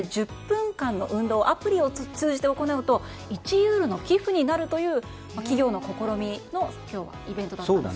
１０分間の運動をアプリを通じて行うと１ユーロの寄付になるという企業の試みのイベントでした。